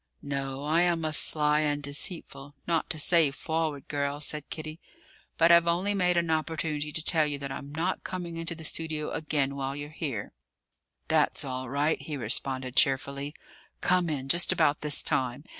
"No, I am a sly and deceitful, not to say forward, girl," said Kitty. "But I've only made an opportunity to tell you that I'm not coming into the studio again while you're here." "That's all right," he responded cheerfully. "Come in just about this time.